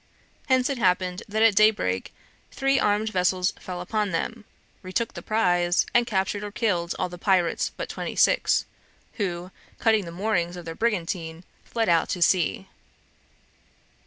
Hence it happened that at daybreak three armed vessels fell upon them, retook the prize, and captured or killed all the pirates but twenty six, who, cutting the moorings of their brigantine, fled out to sea.